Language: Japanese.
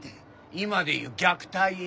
今でいう虐待や。